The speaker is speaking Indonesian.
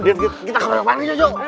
mudah mudahan kita ke tempat lain yuk yuk